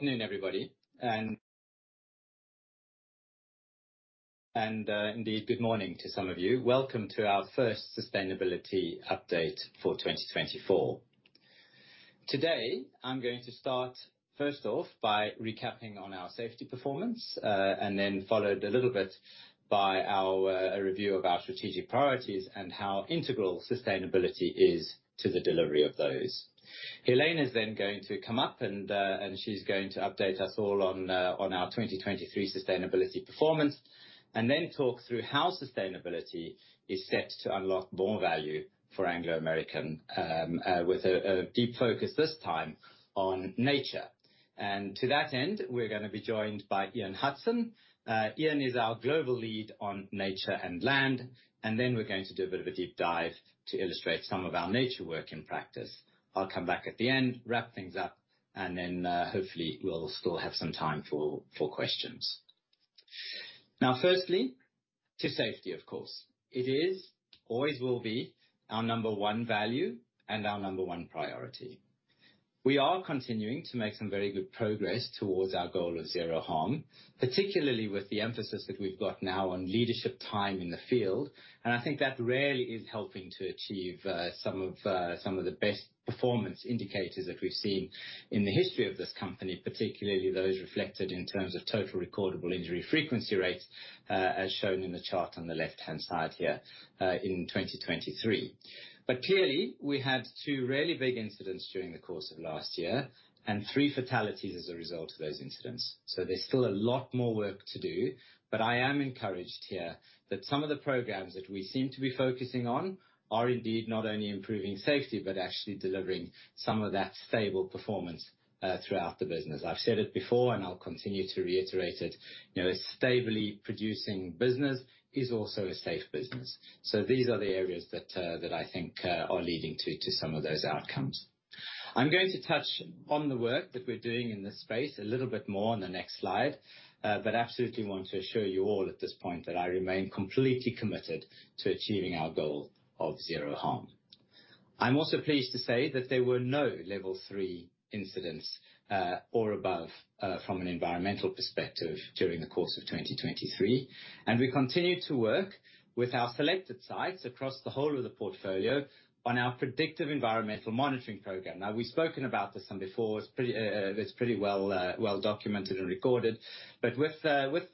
Good afternoon, everybody, and indeed good morning to some of you. Welcome to our first sustainability update for 2024. Today I'm going to start, first off, by recapping on our safety performance and then followed a little bit by a review of our strategic priorities and how integral sustainability is to the delivery of those. Helena's then going to come up and she's going to update us all on our 2023 sustainability performance and then talk through how sustainability is set to unlock more value for Anglo American, with a deep focus this time on nature. And to that end, we're going to be joined by Ian Hudson. Ian is our global lead on nature and land, and then we're going to do a bit of a deep dive to illustrate some of our nature work in practice. I'll come back at the end, wrap things up, and then hopefully we'll still have some time for questions. Now, firstly, to safety, of course. It is, always will be, our number one value and our number one priority. We are continuing to make some very good progress towards our goal of zero harm, particularly with the emphasis that we've got now on leadership time in the field. And I think that rarely is helping to achieve some of the best performance indicators that we've seen in the history of this company, particularly those reflected in terms of total recordable injury frequency rates, as shown in the chart on the left-hand side here in 2023. But clearly, we had two really big incidents during the course of last year and three fatalities as a result of those incidents. So there's still a lot more work to do, but I am encouraged here that some of the programs that we seem to be focusing on are indeed not only improving safety but actually delivering some of that stable performance throughout the business. I've said it before, and I'll continue to reiterate it: a stably producing business is also a safe business. So these are the areas that I think are leading to some of those outcomes. I'm going to touch on the work that we're doing in this space a little bit more on the next slide, but absolutely want to assure you all at this point that I remain completely committed to achieving our goal of zero harm. I'm also pleased to say that there were no level three incidents or above from an environmental perspective during the course of 2023, and we continue to work with our selected sites across the whole of the portfolio on our predictive environmental monitoring program. Now, we've spoken about this some before. It's pretty well documented and recorded. But with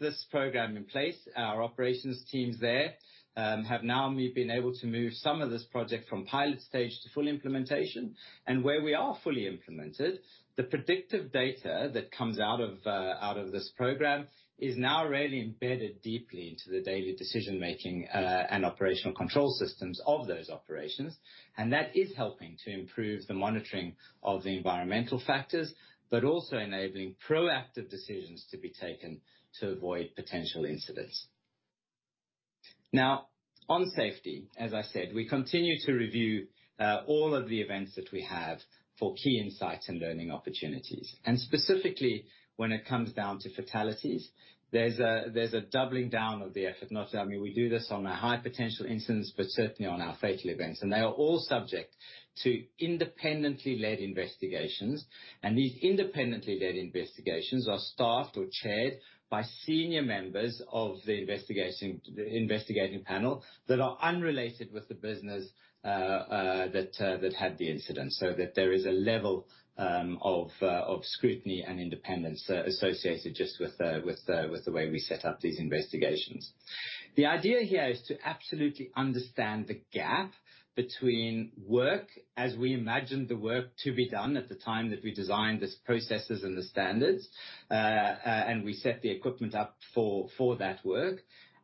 this program in place, our operations teams there have now been able to move some of this project from pilot stage to full implementation. And where we are fully implemented, the predictive data that comes out of this program is now really embedded deeply into the daily decision-making and operational control systems of those operations. And that is helping to improve the monitoring of the environmental factors but also enabling proactive decisions to be taken to avoid potential incidents. Now, on safety, as I said, we continue to review all of the events that we have for key insights and learning opportunities. And specifically, when it comes down to fatalities, there's a doubling down of the effort. I mean, we do this on our high-potential incidents but certainly on our fatal events. And they are all subject to independently led investigations. And these independently led investigations are staffed or chaired by senior members of the investigating panel that are unrelated with the business that had the incident, so that there is a level of scrutiny and independence associated just with the way we set up these investigations. The idea here is to absolutely understand the gap between work as we imagined the work to be done at the time that we designed this processes and the standards, and we set the equipment up for that work,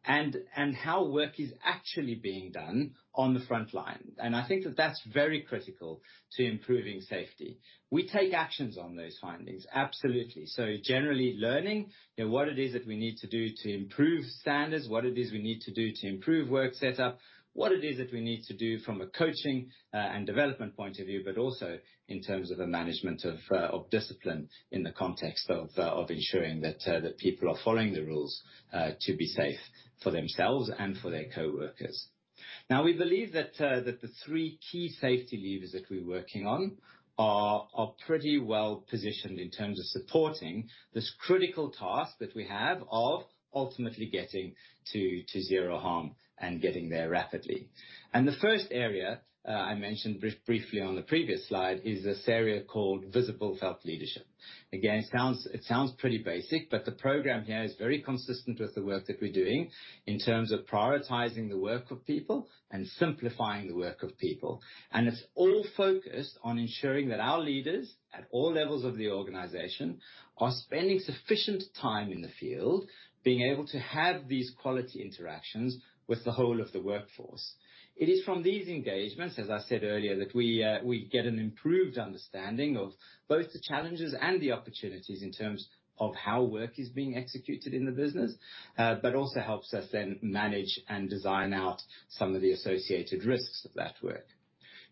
and how work is actually being done on the front line. I think that that's very critical to improving safety. We take actions on those findings, absolutely. Generally, learning what it is that we need to do to improve standards, what it is we need to do to improve work setup, what it is that we need to do from a coaching and development point of view, but also in terms of a management of discipline in the context of ensuring that people are following the rules to be safe for themselves and for their coworkers. Now, we believe that the three key safety levers that we're working on are pretty well positioned in terms of supporting this critical task that we have of ultimately getting to zero harm and getting there rapidly. The first area I mentioned briefly on the previous slide is an area called visible felt leadership. Again, it sounds pretty basic, but the program here is very consistent with the work that we're doing in terms of prioritizing the work of people and simplifying the work of people. It's all focused on ensuring that our leaders at all levels of the organization are spending sufficient time in the field, being able to have these quality interactions with the whole of the workforce. It is from these engagements, as I said earlier, that we get an improved understanding of both the challenges and the opportunities in terms of how work is being executed in the business, but also helps us then manage and design out some of the associated risks of that work.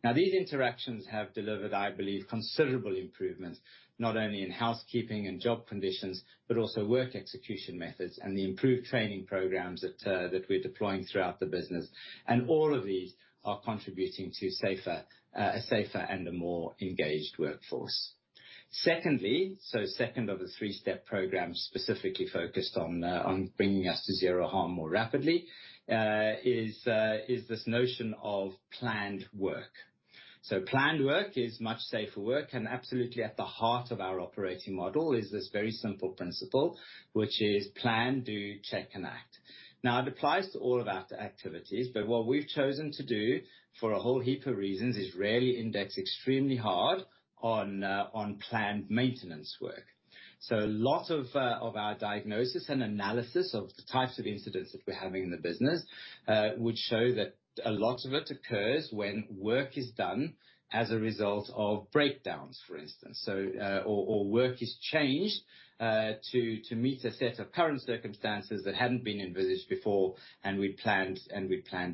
Now, these interactions have delivered, I believe, considerable improvements not only in housekeeping and job conditions but also work execution methods and the improved training programs that we're deploying throughout the business. All of these are contributing to a safer and a more engaged workforce. Secondly, so second of the three-step programs specifically focused on bringing us to zero harm more rapidly is this notion of planned work. Planned work is much safer work. Absolutely at the heart of our operating model is this very simple principle, which is plan, do, check, and act. Now, it applies to all of our activities, but what we've chosen to do for a whole heap of reasons is rarely index extremely hard on planned maintenance work. A lot of our diagnosis and analysis of the types of incidents that we're having in the business would show that a lot of it occurs when work is done as a result of breakdowns, for instance, or work is changed to meet a set of current circumstances that hadn't been envisaged before, and we'd planned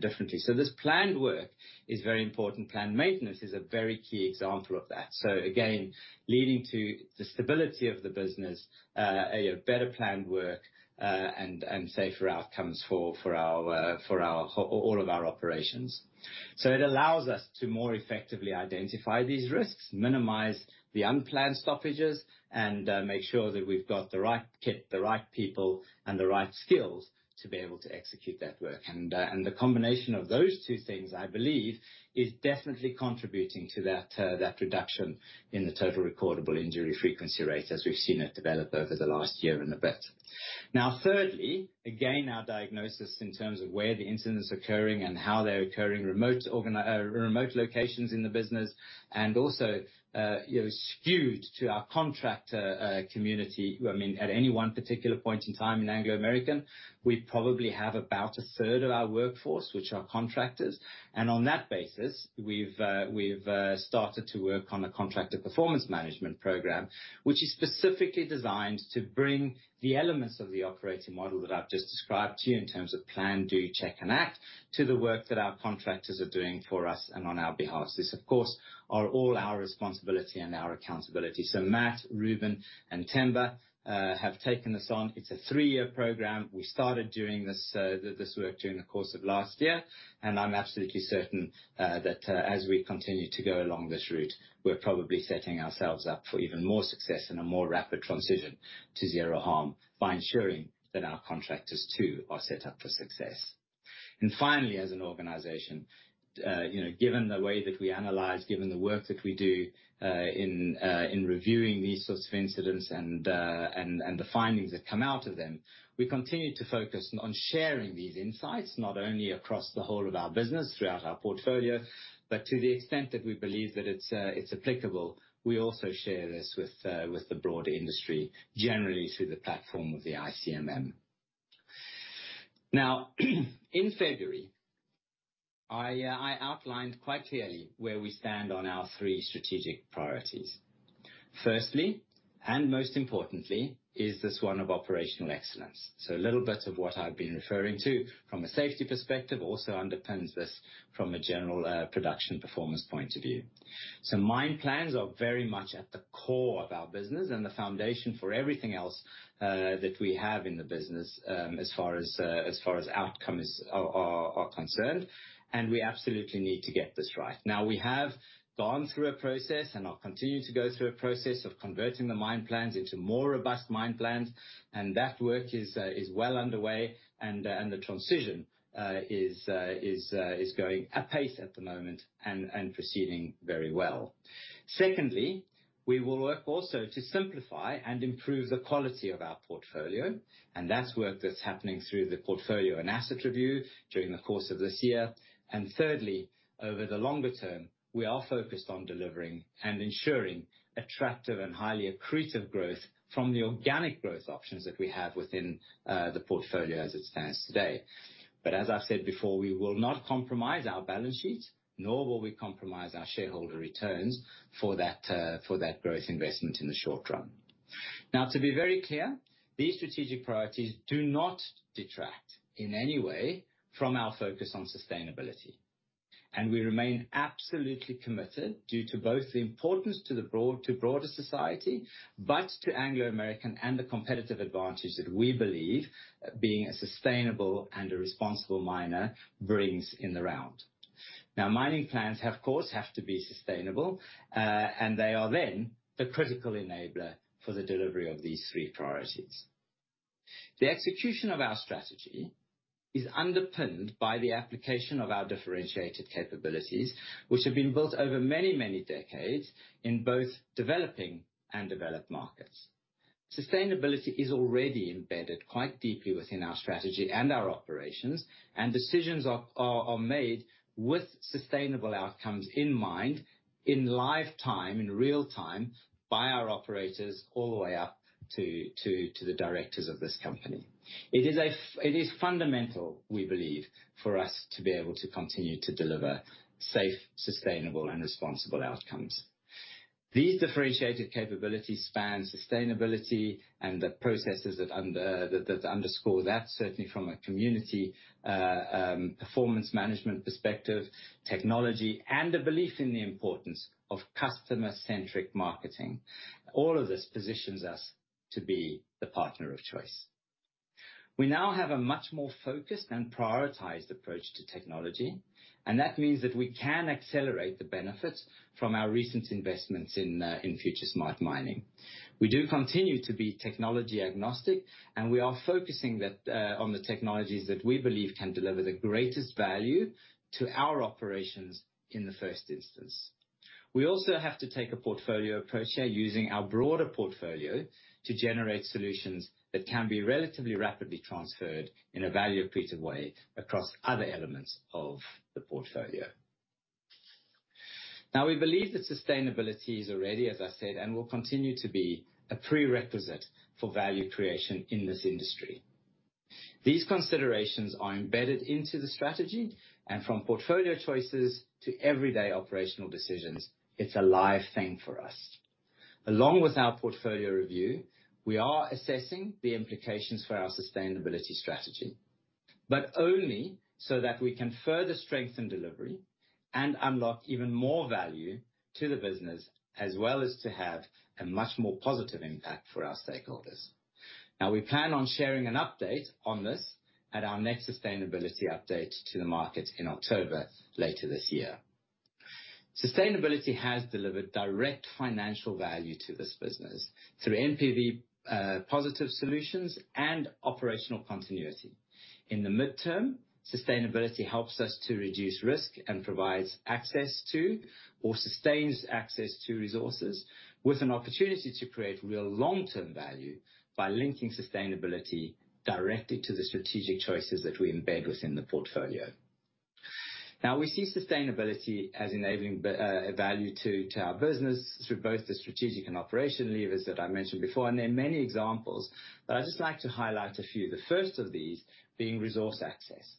differently. This planned work is very important. Planned maintenance is a very key example of that. Again, leading to the stability of the business, better planned work, and safer outcomes for all of our operations. So it allows us to more effectively identify these risks, minimize the unplanned stoppages, and make sure that we've got the right kit, the right people, and the right skills to be able to execute that work. And the combination of those two things, I believe, is definitely contributing to that reduction in the total recordable injury frequency rate, as we've seen it develop over the last year and a bit. Now, thirdly, again, our diagnosis in terms of where the incidents are occurring and how they're occurring: remote locations in the business and also skewed to our contractor community. I mean, at any one particular point in time in Anglo American, we probably have about a third of our workforce, which are contractors. On that basis, we've started to work on a contractor performance management program, which is specifically designed to bring the elements of the operating model that I've just described to you in terms of plan, do, check, and act to the work that our contractors are doing for us and on our behalf. This, of course, are all our responsibility and our accountability. So Matt, Ruben, and Themba have taken this on. It's a three-year program. We started doing this work during the course of last year. I'm absolutely certain that as we continue to go along this route, we're probably setting ourselves up for even more success and a more rapid transition to zero harm by ensuring that our contractors, too, are set up for success. Finally, as an organization, given the way that we analyze, given the work that we do in reviewing these sorts of incidents and the findings that come out of them, we continue to focus on sharing these insights not only across the whole of our business throughout our portfolio but to the extent that we believe that it's applicable, we also share this with the broader industry, generally through the platform of the ICMM. Now, in February, I outlined quite clearly where we stand on our three strategic priorities. Firstly and most importantly is this one of operational excellence. A little bit of what I've been referring to from a safety perspective also underpins this from a general production performance point of view. So mine plans are very much at the core of our business and the foundation for everything else that we have in the business as far as outcomes are concerned. And we absolutely need to get this right. Now, we have gone through a process and are continuing to go through a process of converting the mine plans into more robust mine plans. And that work is well underway. And the transition is going apace at the moment and proceeding very well. Secondly, we will work also to simplify and improve the quality of our portfolio. And that's work that's happening through the portfolio and asset review during the course of this year. And thirdly, over the longer term, we are focused on delivering and ensuring attractive and highly accretive growth from the organic growth options that we have within the portfolio as it stands today. As I've said before, we will not compromise our balance sheet, nor will we compromise our shareholder returns for that growth investment in the short run. Now, to be very clear, these strategic priorities do not detract in any way from our focus on sustainability. We remain absolutely committed due to both the importance to broader society but to Anglo American and the competitive advantage that we believe being a sustainable and a responsible miner brings in the round. Now, mining plans, of course, have to be sustainable. They are then the critical enabler for the delivery of these three priorities. The execution of our strategy is underpinned by the application of our differentiated capabilities, which have been built over many, many decades in both developing and developed markets. Sustainability is already embedded quite deeply within our strategy and our operations. Decisions are made with sustainable outcomes in mind, in real time by our operators all the way up to the directors of this company. It is fundamental, we believe, for us to be able to continue to deliver safe, sustainable, and responsible outcomes. These differentiated capabilities span sustainability and the processes that underscore that, certainly from a community performance management perspective, technology, and a belief in the importance of customer-centric marketing. All of this positions us to be the partner of choice. We now have a much more focused and prioritized approach to technology. That means that we can accelerate the benefits from our recent investments in FutureSmart Mining. We do continue to be technology agnostic. We are focusing on the technologies that we believe can deliver the greatest value to our operations in the first instance. We also have to take a portfolio approach here using our broader portfolio to generate solutions that can be relatively rapidly transferred in a value-accretive way across other elements of the portfolio. Now, we believe that sustainability is already, as I said, and will continue to be a prerequisite for value creation in this industry. These considerations are embedded into the strategy. From portfolio choices to everyday operational decisions, it's a live thing for us. Along with our portfolio review, we are assessing the implications for our sustainability strategy but only so that we can further strengthen delivery and unlock even more value to the business as well as to have a much more positive impact for our stakeholders. Now, we plan on sharing an update on this at our next sustainability update to the market in October later this year. Sustainability has delivered direct financial value to this business through NPV-positive solutions and operational continuity. In the midterm, sustainability helps us to reduce risk and provides access to or sustains access to resources with an opportunity to create real long-term value by linking sustainability directly to the strategic choices that we embed within the portfolio. Now, we see sustainability as enabling value to our business through both the strategic and operational levers that I mentioned before. There are many examples. I'd just like to highlight a few, the first of these being resource access.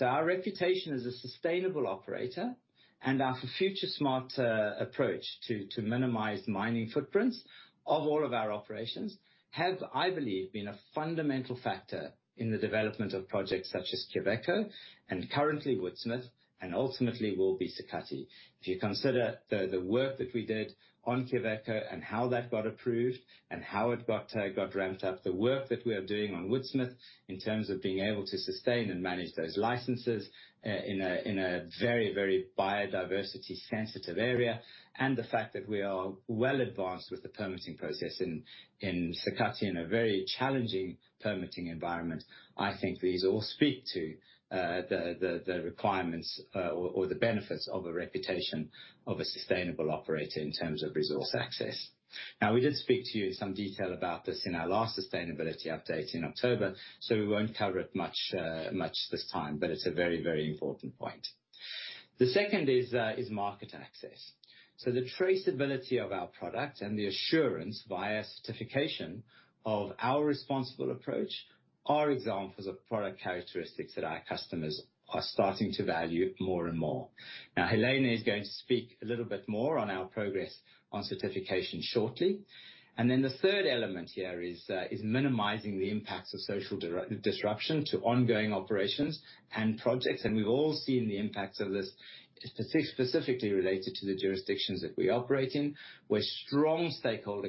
Our reputation as a sustainable operator and our FutureSmart approach to minimize mining footprints of all of our operations have, I believe, been a fundamental factor in the development of projects such as Quellaveco and currently Woodsmith and ultimately will be Sakatti. If you consider the work that we did on Quellaveco and how that got approved and how it got ramped up, the work that we are doing on Woodsmith in terms of being able to sustain and manage those licenses in a very, very biodiversity-sensitive area and the fact that we are well advanced with the permitting process in Sakatti in a very challenging permitting environment, I think these all speak to the requirements or the benefits of a reputation of a sustainable operator in terms of resource access. Now, we did speak to you in some detail about this in our last sustainability update in October. So we won't cover it much this time. But it's a very, very important point. The second is market access. So the traceability of our product and the assurance via certification of our responsible approach are examples of product characteristics that our customers are starting to value more and more. Now, Helena is going to speak a little bit more on our progress on certification shortly. And then the third element here is minimizing the impacts of social disruption to ongoing operations and projects. And we've all seen the impacts of this specifically related to the jurisdictions that we operate in, where strong stakeholder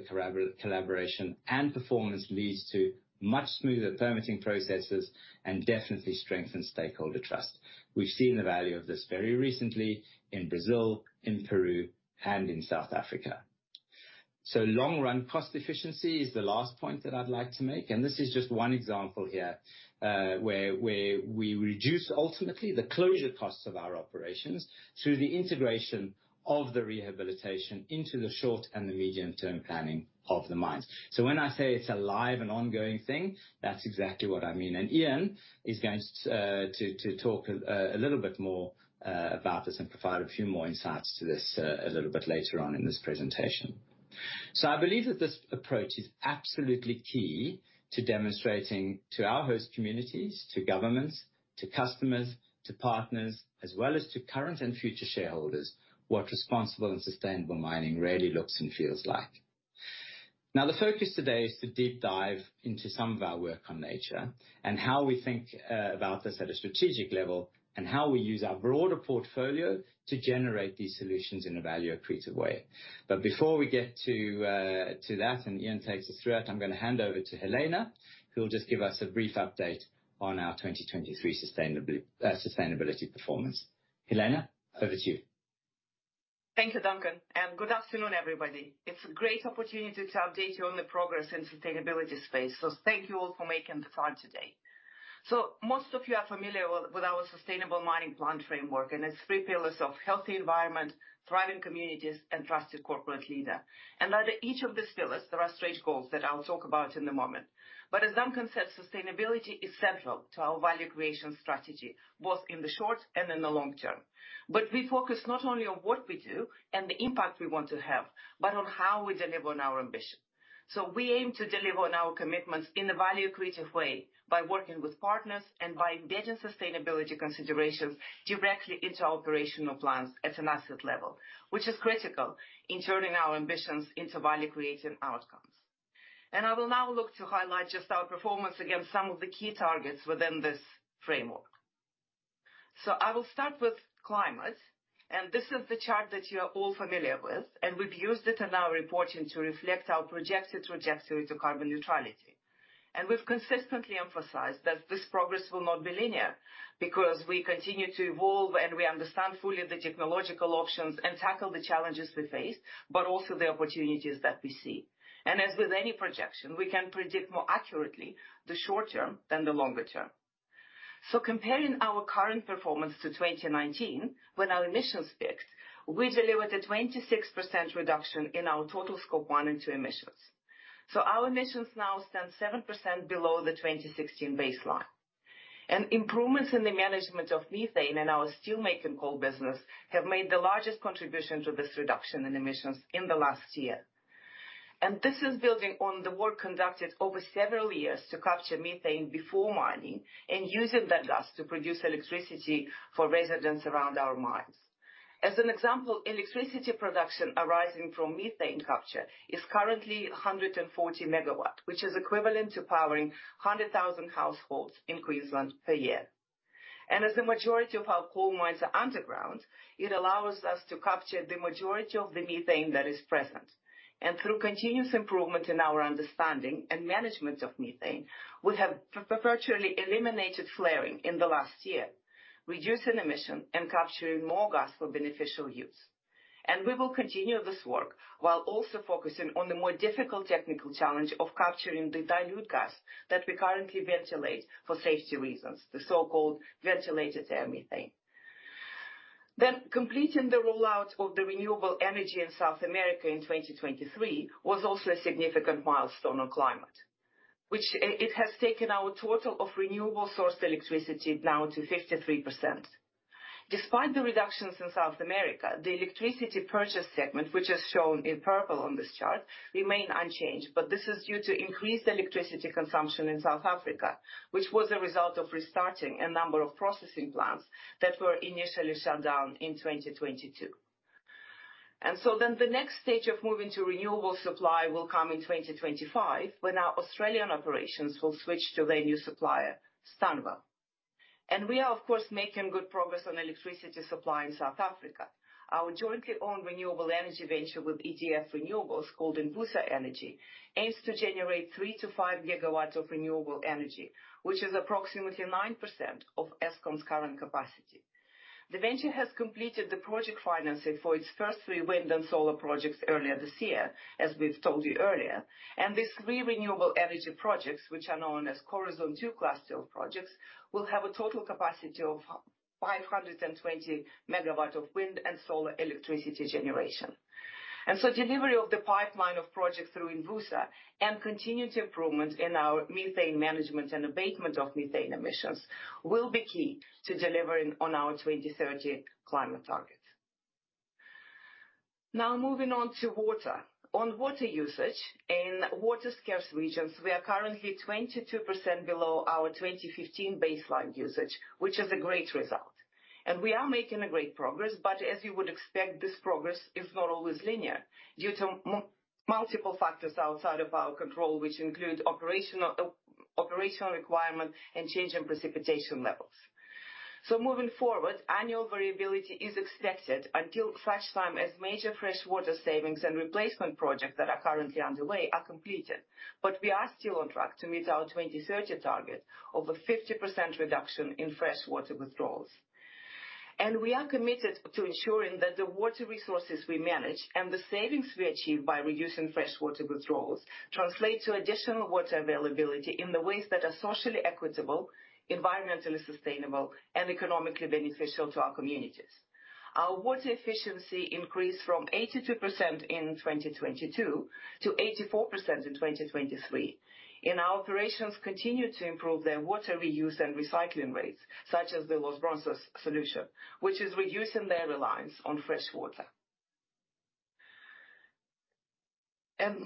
collaboration and performance leads to much smoother permitting processes and definitely strengthen stakeholder trust. We've seen the value of this very recently in Brazil, in Peru, and in South Africa. So long-run cost efficiency is the last point that I'd like to make. This is just one example here where we reduce ultimately the closure costs of our operations through the integration of the rehabilitation into the short and the medium-term planning of the mines. So when I say it's a live and ongoing thing, that's exactly what I mean. Ian is going to talk a little bit more about this and provide a few more insights to this a little bit later on in this presentation. I believe that this approach is absolutely key to demonstrating to our host communities, to governments, to customers, to partners, as well as to current and future shareholders what responsible and sustainable mining really looks and feels like. Now, the focus today is to deep dive into some of our work on nature and how we think about this at a strategic level and how we use our broader portfolio to generate these solutions in a value-accretive way. But before we get to that and Ian takes us through it, I'm going to hand over to Helena, who will just give us a brief update on our 2023 sustainability performance. Helena, over to you. Thank you, Duncan. Good afternoon, everybody. It's a great opportunity to update you on the progress in the sustainability space. Thank you all for making the time today. Most of you are familiar with our Sustainable Mining Plan framework. It's three pillars of healthy environment, thriving communities, and trusted corporate leader. Under each of these pillars, there are stretch goals that I'll talk about in the moment. As Duncan said, sustainability is central to our value creation strategy both in the short and in the long term. We focus not only on what we do and the impact we want to have but on how we deliver on our ambition. We aim to deliver on our commitments in a value-accretive way by working with partners and by embedding sustainability considerations directly into our operational plans at an asset level, which is critical in turning our ambitions into value-creating outcomes. I will now look to highlight just our performance against some of the key targets within this framework. I will start with climate. This is the chart that you are all familiar with. We've used it in our reporting to reflect our projected trajectory to carbon neutrality. We've consistently emphasized that this progress will not be linear because we continue to evolve. We understand fully the technological options and tackle the challenges we face but also the opportunities that we see. As with any projection, we can predict more accurately the short term than the longer term. So comparing our current performance to 2019, when our emissions peaked, we delivered a 26% reduction in our total Scope 1 and 2 emissions. So our emissions now stand 7% below the 2016 baseline. And improvements in the management of methane in our steelmaking coal business have made the largest contribution to this reduction in emissions in the last year. And this is building on the work conducted over several years to capture methane before mining and using that gas to produce electricity for residents around our mines. As an example, electricity production arising from methane capture is currently 140 megawatts, which is equivalent to powering 100,000 households in Queensland per year. And as the majority of our coal mines are underground, it allows us to capture the majority of the methane that is present. Through continuous improvement in our understanding and management of methane, we have virtually eliminated flaring in the last year, reducing emission and capturing more gas for beneficial use. We will continue this work while also focusing on the more difficult technical challenge of capturing the dilute gas that we currently ventilate for safety reasons, the so-called ventilated air methane. Completing the rollout of the renewable energy in South America in 2023 was also a significant milestone on climate, which it has taken our total of renewable source electricity down to 53%. Despite the reductions in South America, the electricity purchase segment, which is shown in purple on this chart, remained unchanged. This is due to increased electricity consumption in South Africa, which was a result of restarting a number of processing plants that were initially shut down in 2022. The next stage of moving to renewable supply will come in 2025 when our Australian operations will switch to their new supplier, Stanwell. We are, of course, making good progress on electricity supply in South Africa. Our jointly owned renewable energy venture with EDF Renewables called Envusa Energy aims to generate 3-5 GW of renewable energy, which is approximately 9% of Eskom's current capacity. The venture has completed the project financing for its first three wind and solar projects earlier this year, as we've told you earlier. These three renewable energy projects, which are known as Koruson 2 cluster of projects, will have a total capacity of 520 MW of wind and solar electricity generation. Delivery of the pipeline of projects through Envusa and continued improvement in our methane management and abatement of methane emissions will be key to delivering on our 2030 climate targets. Now, moving on to water. On water usage in water-scarce regions, we are currently 22% below our 2015 baseline usage, which is a great result. We are making great progress. As you would expect, this progress is not always linear due to multiple factors outside of our control, which include operational requirement and change in precipitation levels. Moving forward, annual variability is expected until such time as major freshwater savings and replacement projects that are currently underway are completed. We are still on track to meet our 2030 target of a 50% reduction in freshwater withdrawals. We are committed to ensuring that the water resources we manage and the savings we achieve by reducing freshwater withdrawals translate to additional water availability in the ways that are socially equitable, environmentally sustainable, and economically beneficial to our communities. Our water efficiency increased from 82% in 2022 to 84% in 2023. Our operations continue to improve their water reuse and recycling rates, such as the Los Bronces solution, which is reducing their reliance on freshwater.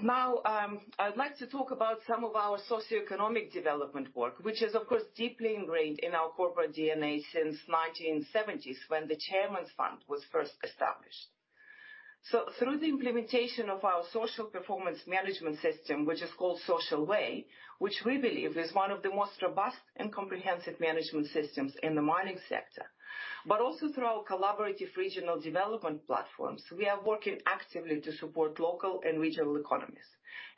Now, I'd like to talk about some of our socioeconomic development work, which is, of course, deeply ingrained in our corporate DNA since the 1970s when the Chairman's Fund was first established. Through the implementation of our social performance management system, which is called Social Way, which we believe is one of the most robust and comprehensive management systems in the mining sector but also through our collaborative regional development platforms, we are working actively to support local and regional economies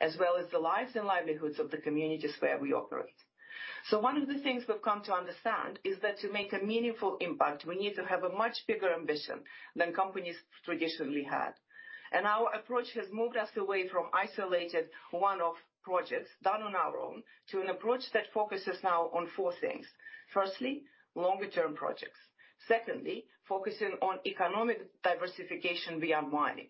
as well as the lives and livelihoods of the communities where we operate. One of the things we've come to understand is that to make a meaningful impact, we need to have a much bigger ambition than companies traditionally had. Our approach has moved us away from isolated one-off projects done on our own to an approach that focuses now on four things. Firstly, longer-term projects. Secondly, focusing on economic diversification beyond mining.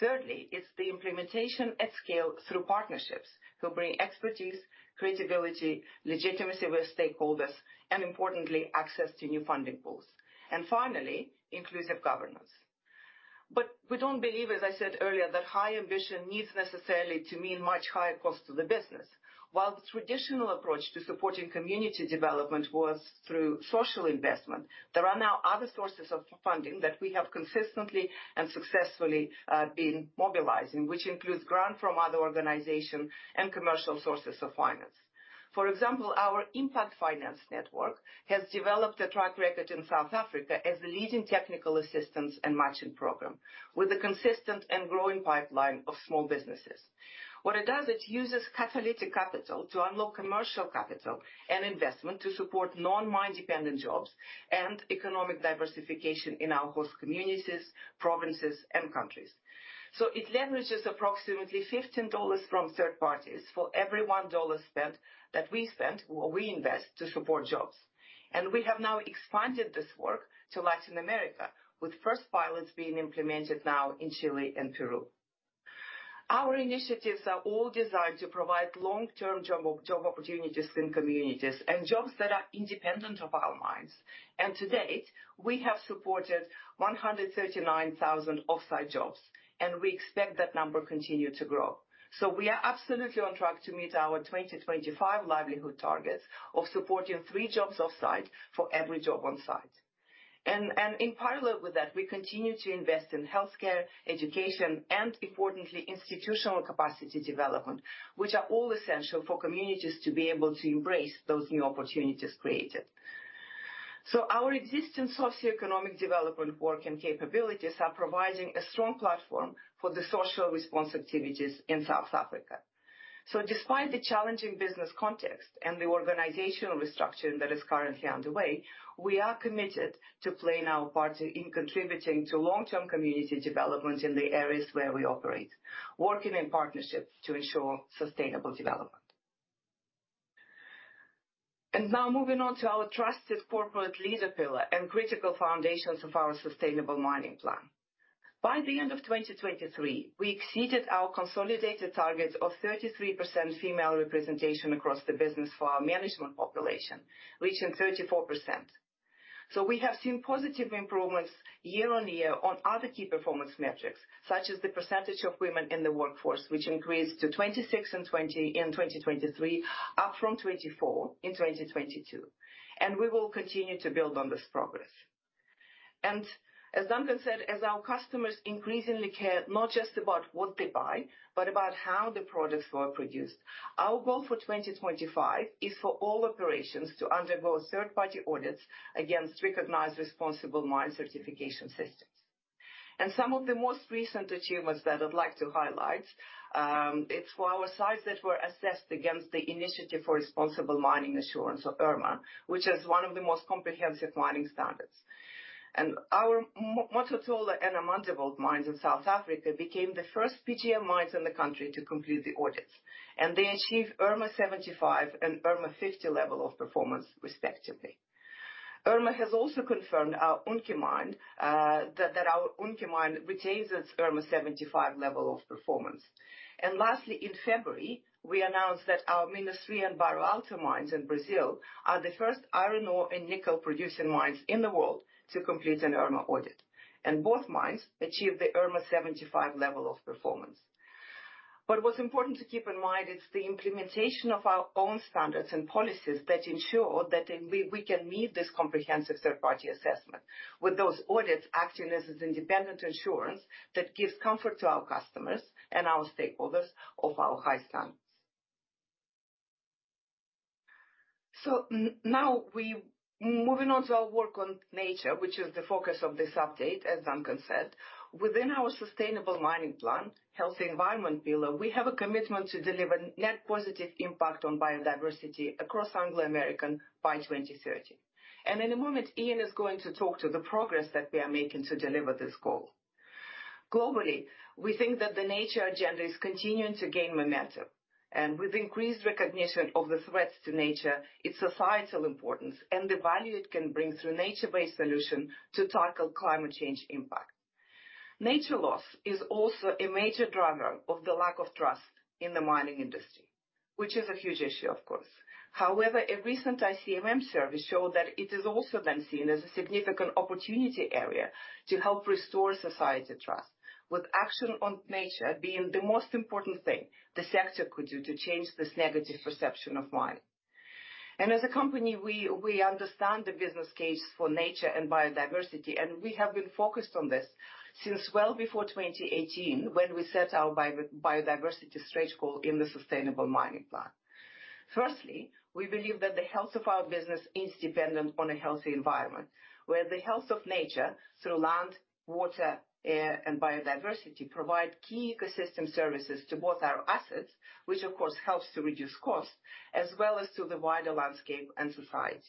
Thirdly, it's the implementation at scale through partnerships who bring expertise, credibility, legitimacy with stakeholders, and importantly, access to new funding pools. And finally, inclusive governance. But we don't believe, as I said earlier, that high ambition needs necessarily to mean much higher costs to the business. While the traditional approach to supporting community development was through social investment, there are now other sources of funding that we have consistently and successfully been mobilizing, which includes grant from other organizations and commercial sources of finance. For example, our Impact Finance Network has developed a track record in South Africa as a leading technical assistance and matching program with a consistent and growing pipeline of small businesses. What it does, it uses catalytic capital to unlock commercial capital and investment to support non-mine-dependent jobs and economic diversification in our host communities, provinces, and countries. So it leverages approximately $15 from third parties for every $1 spent that we spend or we invest to support jobs. We have now expanded this work to Latin America, with first pilots being implemented now in Chile and Peru. Our initiatives are all designed to provide long-term job opportunities in communities and jobs that are independent of our mines. To date, we have supported 139,000 offsite jobs. We expect that number to continue to grow. We are absolutely on track to meet our 2025 livelihood targets of supporting three jobs offsite for every job onsite. In parallel with that, we continue to invest in health care, education, and importantly, institutional capacity development, which are all essential for communities to be able to embrace those new opportunities created. Our existing socioeconomic development work and capabilities are providing a strong platform for the social response activities in South Africa. So despite the challenging business context and the organizational restructuring that is currently underway, we are committed to playing our part in contributing to long-term community development in the areas where we operate, working in partnership to ensure sustainable development. And now, moving on to our trusted corporate leader pillar and critical foundations of our Sustainable Mining Plan. By the end of 2023, we exceeded our consolidated targets of 33% female representation across the business for our management population, reaching 34%. So we have seen positive improvements year on year on other key performance metrics, such as the percentage of women in the workforce, which increased to 26% in 2023, up from 24% in 2022. And we will continue to build on this progress. And as Duncan said, as our customers increasingly care not just about what they buy but about how the products were produced, our goal for 2025 is for all operations to undergo third-party audits against recognized responsible mine certification systems. Some of the most recent achievements that I'd like to highlight, it's for our sites that were assessed against the Initiative for Responsible Mining Assurance, or IRMA, which is one of the most comprehensive mining standards. Our Mototolo and Amandelbult mines in South Africa became the first PGM mines in the country to complete the audits. And they achieved IRMA 75 and IRMA 50 level of performance, respectively. IRMA has also confirmed our Unki mine that our Unki mine retains its IRMA 75 level of performance. And lastly, in February, we announced that our Minas-Rio and Barro Alto mines in Brazil are the first iron ore and nickel producing mines in the world to complete an IRMA audit. And both mines achieved the IRMA 75 level of performance. But what's important to keep in mind, it's the implementation of our own standards and policies that ensure that we can meet this comprehensive third-party assessment with those audits acting as an independent assurance that gives comfort to our customers and our stakeholders of our high standards. So now, moving on to our work on nature, which is the focus of this update, as Duncan said, within our Sustainable Mining Plan, Healthy Environment pillar, we have a commitment to deliver net positive impact on biodiversity across Anglo American by 2030. In a moment, Ian is going to talk to the progress that we are making to deliver this goal. Globally, we think that the nature agenda is continuing to gain momentum. With increased recognition of the threats to nature, its societal importance, and the value it can bring through nature-based solutions to tackle climate change impact. Nature loss is also a major driver of the lack of trust in the mining industry, which is a huge issue, of course. However, a recent ICM M survey showed that it is also then seen as a significant opportunity area to help restore society trust, with action on nature being the most important thing the sector could do to change this negative perception of mining. As a company, we understand the business case for nature and biodiversity. And we have been focused on this since well before 2018 when we set our biodiversity stretch goal in the Sustainable Mining Plan. Firstly, we believe that the health of our business is dependent on a healthy environment, where the health of nature through land, water, air, and biodiversity provide key ecosystem services to both our assets, which, of course, helps to reduce costs, as well as to the wider landscape and society.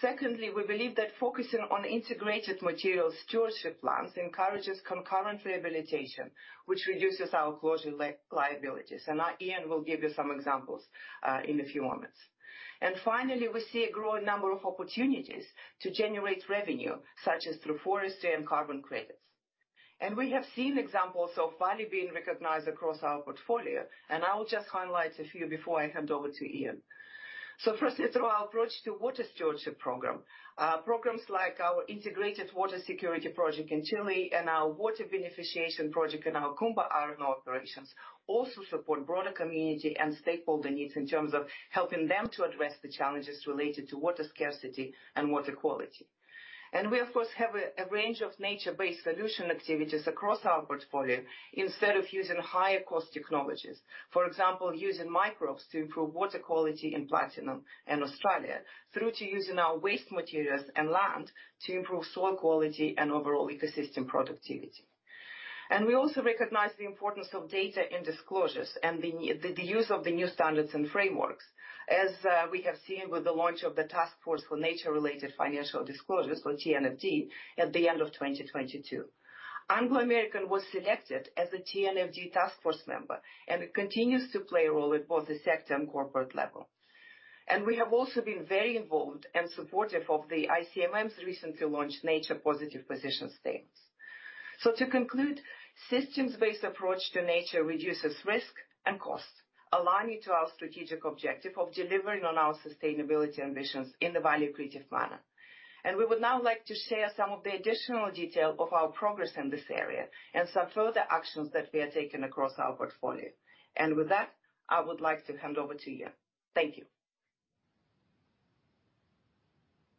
Secondly, we believe that focusing on integrated material stewardship plans encourages concurrent rehabilitation, which reduces our closure liabilities. And Ian will give you some examples in a few moments. And finally, we see a growing number of opportunities to generate revenue, such as through forestry and carbon credits. And we have seen examples of value being recognized across our portfolio. And I will just highlight a few before I hand over to Ian. So firstly, through our approach to water stewardship program, programs like our Integrated Water Security Project in Chile and our Water Beneficiation Project in our Kumba Iron Ore Operations also support broader community and stakeholder needs in terms of helping them to address the challenges related to water scarcity and water quality. And we, of course, have a range of nature-based solution activities across our portfolio instead of using higher-cost technologies, for example, using microbes to improve water quality in Platinum and Australia through to using our waste materials and land to improve soil quality and overall ecosystem productivity. And we also recognize the importance of data and disclosures and the use of the new standards and frameworks, as we have seen with the launch of the Taskforce on Nature-related Financial Disclosures, or TNFD, at the end of 2022. Anglo American was selected as a TNFD Task Force member, and it continues to play a role at both the sector and corporate level. We have also been very involved and supportive of the ICMM's recently launched Nature Positive Position statements. To conclude, a systems-based approach to nature reduces risk and costs, allowing it to our strategic objective of delivering on our sustainability ambitions in a value-creative manner. We would now like to share some of the additional detail of our progress in this area and some further actions that we are taking across our portfolio. With that, I would like to hand over to Ian. Thank you.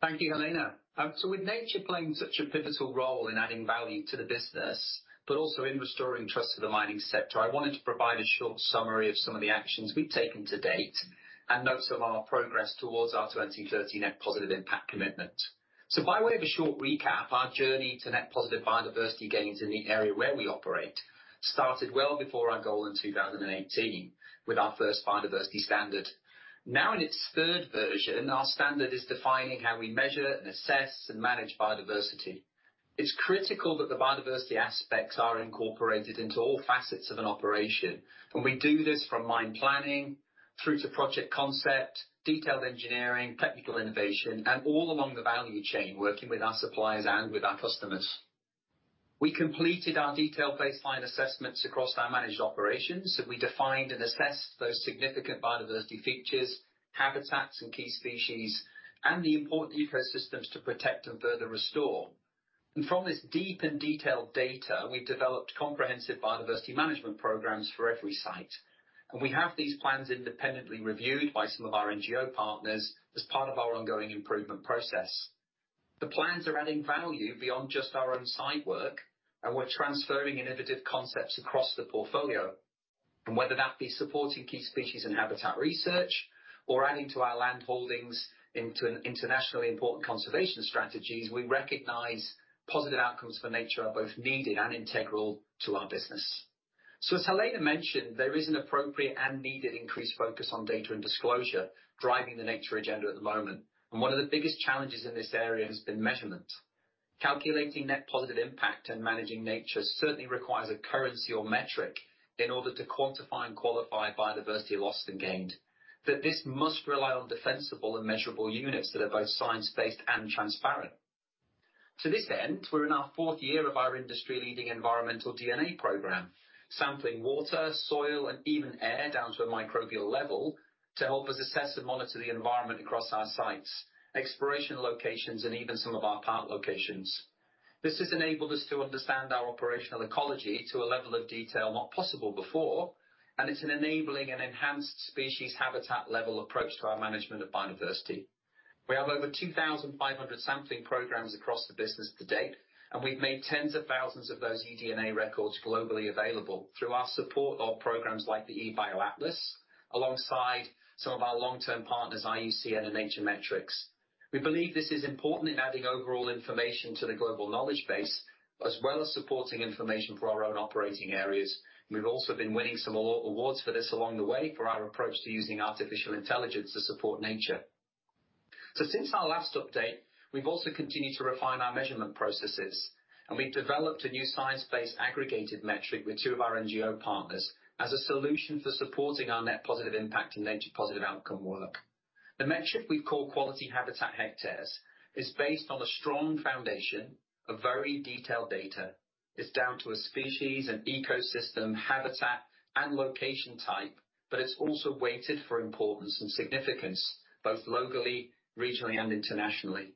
Thank you, Helena. So with nature playing such a pivotal role in adding value to the business but also in restoring trust of the mining sector, I wanted to provide a short summary of some of the actions we've taken to date and notes of our progress towards our 2030 net positive impact commitment. So by way of a short recap, our journey to net positive biodiversity gains in the area where we operate started well before our goal in 2018 with our first biodiversity standard. Now, in its third version, our standard is defining how we measure and assess and manage biodiversity. It's critical that the biodiversity aspects are incorporated into all facets of an operation. And we do this from mine planning through to project concept, detailed engineering, technical innovation, and all along the value chain, working with our suppliers and with our customers. We completed our detailed baseline assessments across our managed operations. So we defined and assessed those significant biodiversity features, habitats, and key species, and the important ecosystems to protect and further restore. And from this deep and detailed data, we've developed comprehensive biodiversity management programs for every site. And we have these plans independently reviewed by some of our NGO partners as part of our ongoing improvement process. The plans are adding value beyond just our own site work. And we're transferring innovative concepts across the portfolio. And whether that be supporting key species and habitat research or adding to our land holdings into internationally important conservation strategies, we recognize positive outcomes for nature are both needed and integral to our business. So as Helena mentioned, there is an appropriate and needed increased focus on data and disclosure driving the nature agenda at the moment. One of the biggest challenges in this area has been measurement. Calculating Net Positive Impact and managing nature certainly requires a currency or metric in order to quantify and qualify biodiversity lost and gained, but this must rely on defensible and measurable units that are both science-based and transparent. To this end, we're in our fourth year of our industry-leading environmental DNA program, sampling water, soil, and even air down to a microbial level to help us assess and monitor the environment across our sites, exploration locations, and even some of our park locations. This has enabled us to understand our operational ecology to a level of detail not possible before. It's enabling an enhanced species habitat-level approach to our management of biodiversity. We have over 2,500 sampling programs across the business to date. And we've made tens of thousands of those eDNA records globally available through our support of programs like the eBioAtlas alongside some of our long-term partners, IUCN, and NatureMetrics. We believe this is important in adding overall information to the global knowledge base as well as supporting information for our own operating areas. And we've also been winning some awards for this along the way for our approach to using artificial intelligence to support nature. So since our last update, we've also continued to refine our measurement processes. And we've developed a new science-based aggregated metric with two of our NGO partners as a solution for supporting our net positive impact and nature positive outcome work. The metric we call Quality Habitat Hectares is based on a strong foundation of very detailed data. It's down to a species, an ecosystem, habitat, and location type. But it's also weighted for importance and significance both locally, regionally, and internationally.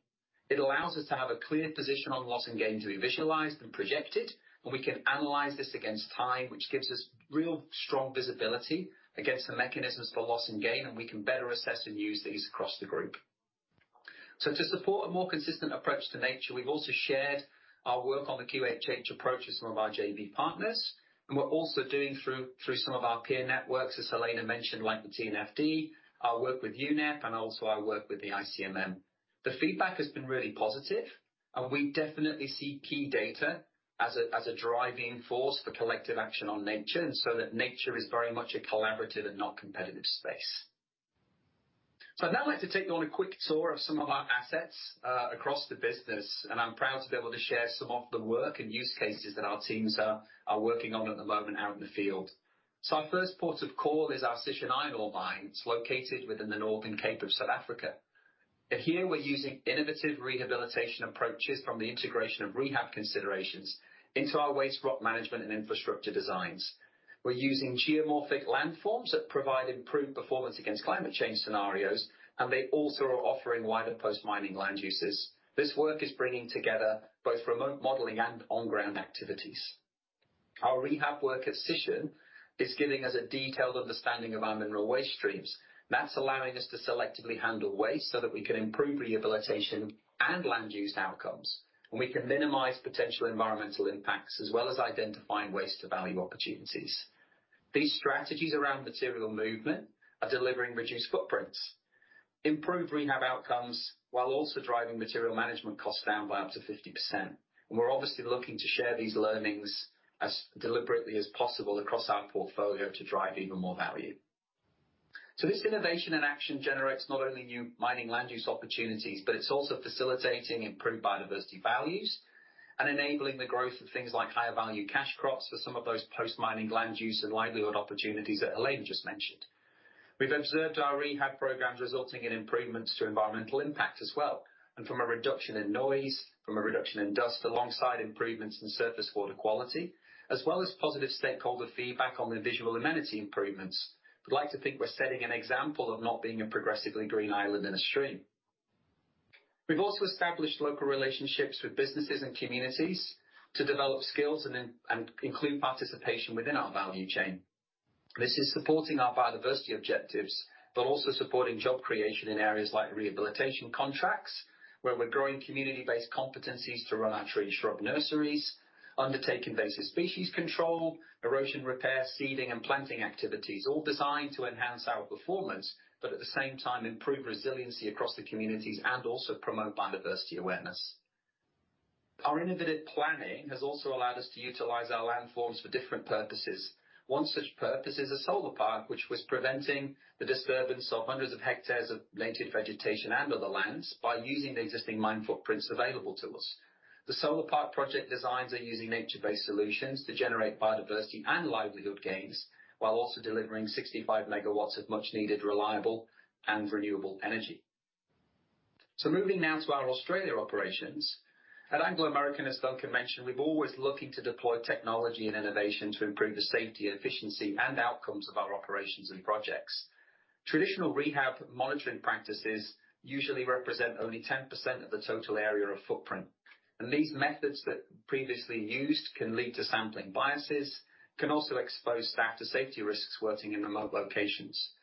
It allows us to have a clear position on loss and gain to be visualized and projected. And we can analyze this against time, which gives us real strong visibility against the mechanisms for loss and gain. And we can better assess and use these across the group. So to support a more consistent approach to nature, we've also shared our work on the QHH approach with some of our JV partners. And we're also doing through some of our peer networks, as Helena mentioned, like the TNFD, our work with UNEP, and also our work with the ICMM. The feedback has been really positive. And we definitely see key data as a driving force for collective action on nature so that nature is very much a collaborative and not competitive space. So I'd now like to take you on a quick tour of some of our assets across the business. I'm proud to be able to share some of the work and use cases that our teams are working on at the moment out in the field. Our first port of call is our Sishen iron ore mine. It's located within the Northern Cape of South Africa. Here, we're using innovative rehabilitation approaches from the integration of rehab considerations into our waste rock management and infrastructure designs. We're using geomorphic landforms that provide improved performance against climate change scenarios. They also are offering wider post-mining land uses. This work is bringing together both remote modeling and on-ground activities. Our rehab work at Sishen is giving us a detailed understanding of our mineral waste streams. That's allowing us to selectively handle waste so that we can improve rehabilitation and land-use outcomes. And we can minimize potential environmental impacts as well as identifying waste-to-value opportunities. These strategies around material movement are delivering reduced footprints, improved rehab outcomes while also driving material management costs down by up to 50%. And we're obviously looking to share these learnings as deliberately as possible across our portfolio to drive even more value. So this innovation and action generates not only new mining land-use opportunities, but it's also facilitating improved biodiversity values and enabling the growth of things like higher-value cash crops for some of those post-mining land-use and livelihood opportunities that Helena just mentioned. We've observed our rehab programs resulting in improvements to environmental impact as well, and from a reduction in noise, from a reduction in dust alongside improvements in surface water quality, as well as positive stakeholder feedback on the visual amenity improvements. We'd like to think we're setting an example of not being a progressively green island in a stream. We've also established local relationships with businesses and communities to develop skills and include participation within our value chain. This is supporting our biodiversity objectives but also supporting job creation in areas like rehabilitation contracts, where we're growing community-based competencies to run our tree-shrub nurseries, undertaking basic species control, erosion repair, seeding, and planting activities, all designed to enhance our performance but at the same time improve resiliency across the communities and also promote biodiversity awareness. Our innovative planning has also allowed us to utilize our landforms for different purposes. One such purpose is a solar park, which was preventing the disturbance of hundreds of hectares of native vegetation and other lands by using the existing mine footprints available to us. The solar park project designs are using nature-based solutions to generate biodiversity and livelihood gains while also delivering 65 MW of much-needed reliable and renewable energy. So moving now to our Australia operations, at Anglo American, as Duncan mentioned, we've always looking to deploy technology and innovation to improve the safety, efficiency, and outcomes of our operations and projects. Traditional rehab monitoring practices usually represent only 10% of the total area of footprint. These methods that previously used can lead to sampling biases, can also expose staff to safety risks working in remote locations.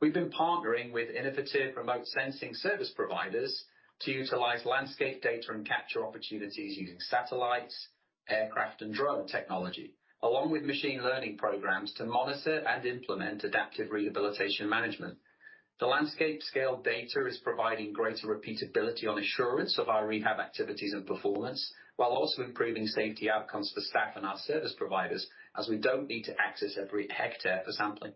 We've been partnering with innovative remote sensing service providers to utilize landscape data and capture opportunities using satellites, aircraft, and drone technology, along with machine learning programs to monitor and implement adaptive rehabilitation management. The landscape-scale data is providing greater repeatability on assurance of our rehab activities and performance while also improving safety outcomes for staff and our service providers as we don't need to access every hectare for sampling.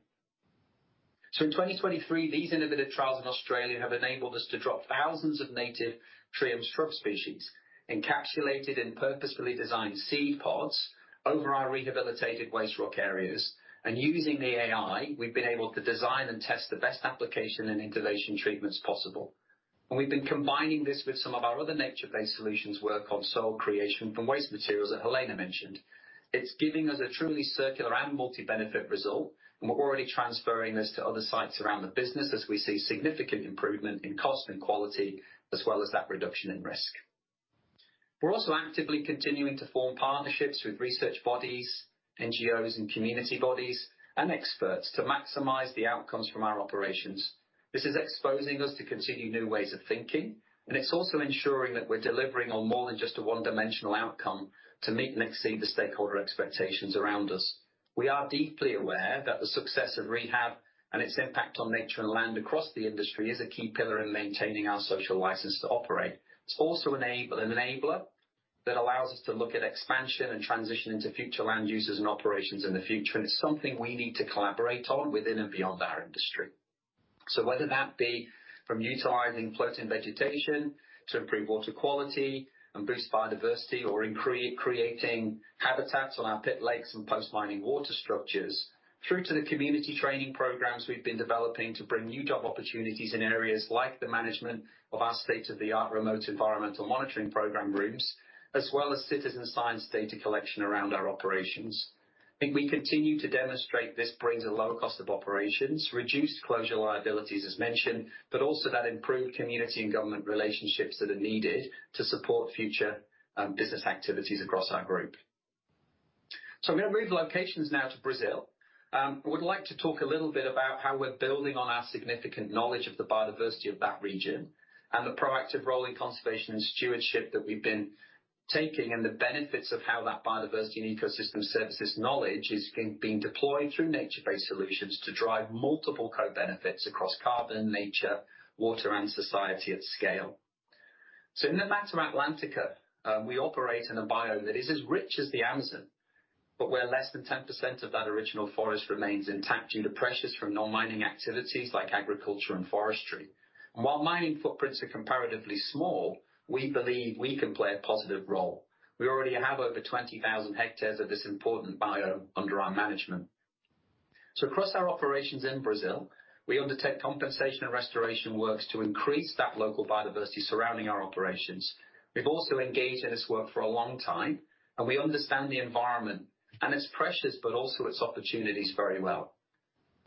So in 2023, these innovative trials in Australia have enabled us to drop thousands of native triumph shrub species encapsulated in purposefully designed seed pods over our rehabilitated waste rock areas. And using the AI, we've been able to design and test the best application and intervention treatments possible. And we've been combining this with some of our other nature-based solutions work on soil creation from waste materials that Helena mentioned. It's giving us a truly circular and multi-benefit result. And we're already transferring this to other sites around the business as we see significant improvement in cost and quality as well as that reduction in risk. We're also actively continuing to form partnerships with research bodies, NGOs, and community bodies and experts to maximize the outcomes from our operations. This is exposing us to continue new ways of thinking. And it's also ensuring that we're delivering on more than just a one-dimensional outcome to meet and exceed the stakeholder expectations around us. We are deeply aware that the success of rehab and its impact on nature and land across the industry is a key pillar in maintaining our social license to operate. It's also an enabler that allows us to look at expansion and transition into future land uses and operations in the future. And it's something we need to collaborate on within and beyond our industry. So whether that be from utilizing floating vegetation to improve water quality and boost biodiversity or creating habitats on our pit lakes and post-mining water structures through to the community training programs we've been developing to bring new job opportunities in areas like the management of our state-of-the-art remote environmental monitoring program rooms as well as citizen science data collection around our operations, I think we continue to demonstrate this brings a lower cost of operations, reduced closure liabilities, as mentioned, but also that improved community and government relationships that are needed to support future business activities across our group. So I'm going to move locations now to Brazil. I would like to talk a little bit about how we're building on our significant knowledge of the biodiversity of that region and the proactive role in conservation and stewardship that we've been taking and the benefits of how that biodiversity and ecosystem services knowledge is being deployed through nature-based solutions to drive multiple co-benefits across carbon, nature, water, and society at scale. So in the Mata Atlântica, we operate in a bio that is as rich as the Amazon, but where less than 10% of that original forest remains intact due to pressures from non-mining activities like agriculture and forestry. And while mining footprints are comparatively small, we believe we can play a positive role. We already have over 20,000 hectares of this important bio under our management. So across our operations in Brazil, we undertake compensation and restoration works to increase that local biodiversity surrounding our operations. We've also engaged in this work for a long time. We understand the environment and its pressures but also its opportunities very well.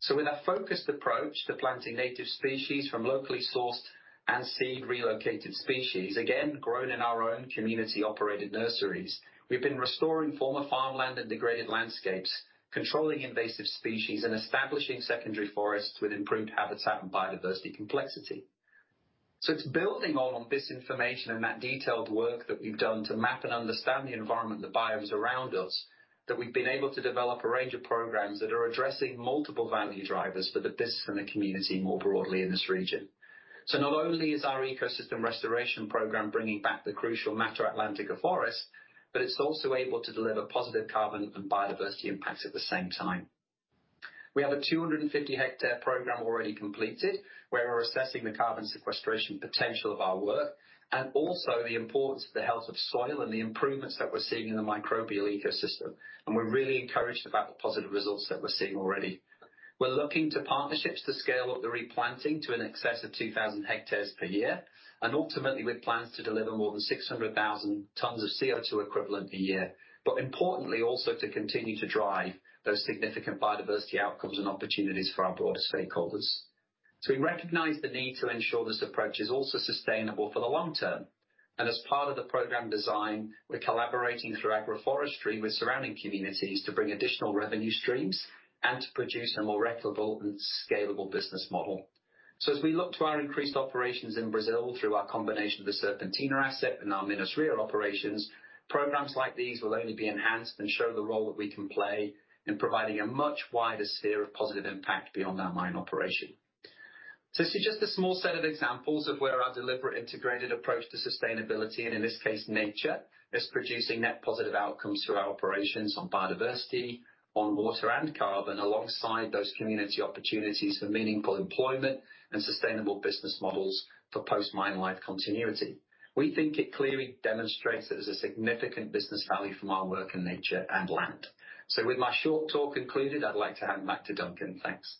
With a focused approach to planting native species from locally sourced and seed relocated species, again, grown in our own community-operated nurseries, we've been restoring former farmland and degraded landscapes, controlling invasive species, and establishing secondary forests with improved habitat and biodiversity complexity. It's building all on this information and that detailed work that we've done to map and understand the environment and the biomes around us that we've been able to develop a range of programs that are addressing multiple value drivers for the business and the community more broadly in this region. Not only is our ecosystem restoration program bringing back the crucial Mata Atlântica forest, but it's also able to deliver positive carbon and biodiversity impacts at the same time. We have a 250-hectare program already completed where we're assessing the carbon sequestration potential of our work and also the importance of the health of soil and the improvements that we're seeing in the microbial ecosystem. We're really encouraged about the positive results that we're seeing already. We're looking to partnerships to scale up the replanting to an excess of 2,000 hectares per year. Ultimately, we have plans to deliver more than 600,000 tons of CO2 equivalent a year but importantly, also to continue to drive those significant biodiversity outcomes and opportunities for our broader stakeholders. So we recognize the need to ensure this approach is also sustainable for the long term. As part of the program design, we're collaborating through agroforestry with surrounding communities to bring additional revenue streams and to produce a more reputable and scalable business model. So as we look to our increased operations in Brazil through our combination of the Serpentina asset and our Minas-Rio operations, programs like these will only be enhanced and show the role that we can play in providing a much wider sphere of positive impact beyond our mine operation. So this is just a small set of examples of where our deliberate integrated approach to sustainability and, in this case, nature is producing net positive outcomes through our operations on biodiversity, on water, and carbon alongside those community opportunities for meaningful employment and sustainable business models for post-mine life continuity. We think it clearly demonstrates that there's a significant business value from our work in nature and land. So with my short talk concluded, I'd like to hand back to Duncan. Thanks.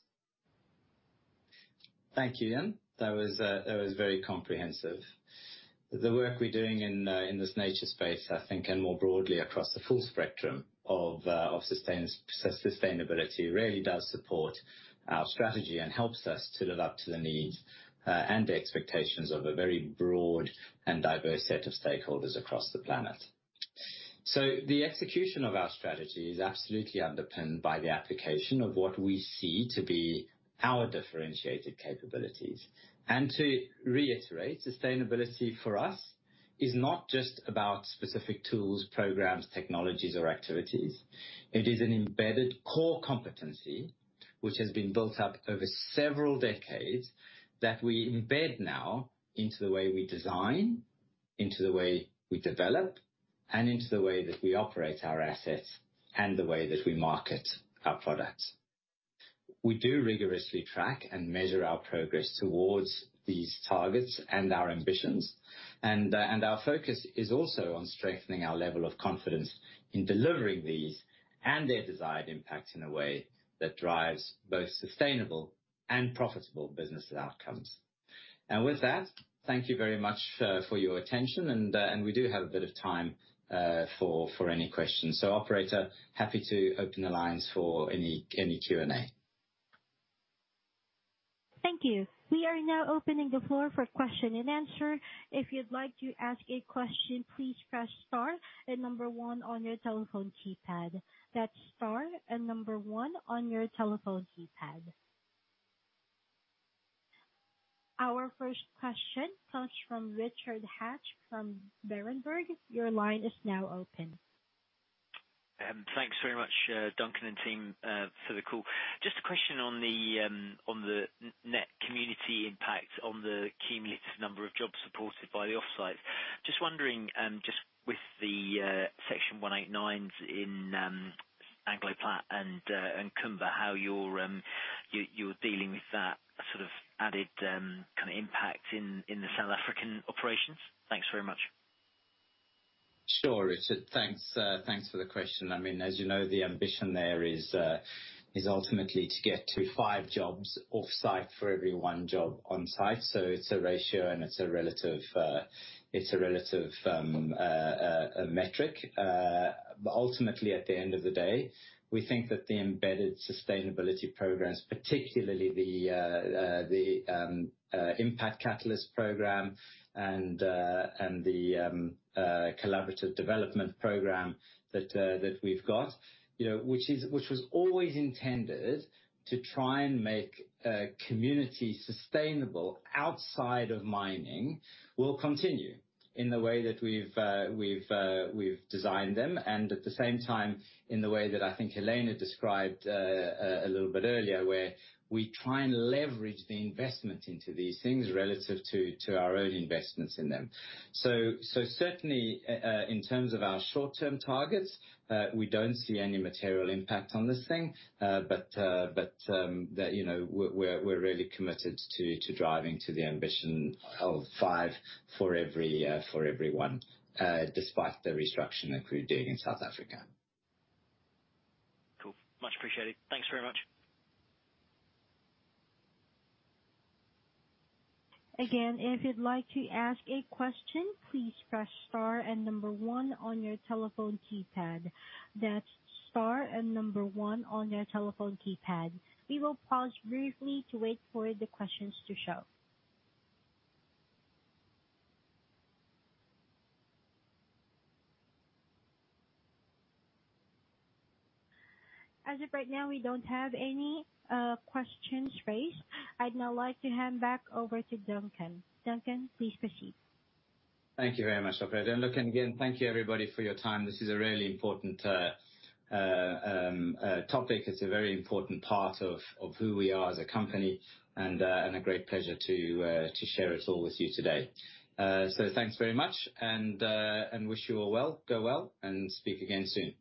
Thank you, Ian. That was very comprehensive. The work we're doing in this nature space, I think, and more broadly across the full spectrum of sustainability really does support our strategy and helps us to live up to the needs and expectations of a very broad and diverse set of stakeholders across the planet. The execution of our strategy is absolutely underpinned by the application of what we see to be our differentiated capabilities. To reiterate, sustainability for us is not just about specific tools, programs, technologies, or activities. It is an embedded core competency which has been built up over several decades that we embed now into the way we design, into the way we develop, and into the way that we operate our assets and the way that we market our products. We do rigorously track and measure our progress towards these targets and our ambitions. Our focus is also on strengthening our level of confidence in delivering these and their desired impact in a way that drives both sustainable and profitable business outcomes. With that, thank you very much for your attention. We do have a bit of time for any questions. Operator, happy to open the lines for any Q&A. Thank you. We are now opening the floor for question and answer. If you'd like to ask a question, please press star and number one on your telephone keypad. That's star and number one on your telephone keypad. Our first question comes from Richard Hatch from Berenberg. Your line is now open. Thanks very much, Duncan and team, for the call. Just a question on the net community impact on the cumulative number of jobs supported by the offsites. Just wondering, just with the Section 189s in Anglo Plat and Kumba, how you're dealing with that sort of added kind of impact in the South African operations. Thanks very much. Sure, Richard. Thanks for the question. I mean, as you know, the ambition there is ultimately to get to five jobs offsite for every one job onsite. So it's a ratio, and it's a relative metric. But ultimately, at the end of the day, we think that the embedded sustainability programs, particularly the Impact Catalyst program and the Collaborative Development program that we've got, which was always intended to try and make community sustainable outside of mining, will continue in the way that we've designed them and at the same time in the way that I think Helena described a little bit earlier where we try and leverage the investment into these things relative to our own investments in them. So certainly, in terms of our short-term targets, we don't see any material impact on this thing. But we're really committed to driving to the ambition of five for every one despite the restructuring that we're doing in South Africa. Cool. Much appreciated. Thanks very much. Again, if you'd like to ask a question, please press star and number one on your telephone keypad. That's star and number one on your telephone keypad. We will pause briefly to wait for the questions to show. As of right now, we don't have any questions raised. I'd now like to hand back over to Duncan. Duncan, please proceed. Thank you very much, operator. And look, and again, thank you, everybody, for your time. This is a really important topic. It's a very important part of who we are as a company. And a great pleasure to share it all with you today. So thanks very much. And wish you all well, go well, and speak again soon.